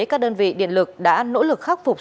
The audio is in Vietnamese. các đơn vị điện lực đã nỗ lực khắc phục